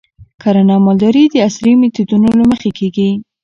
کرنه او مالداري د عصري میتودونو له مخې کیږي.